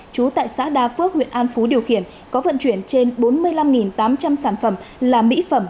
trú tại xã đa phước huyện an phú điều khiển có vận chuyển trên bốn mươi năm tám trăm linh sản phẩm là mỹ phẩm